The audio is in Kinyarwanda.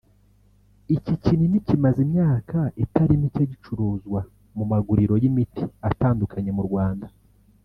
Iki kinini kimaze imyaka itari mike gicuruzwa mu maguriro y’imiti atandukanye mu Rwanda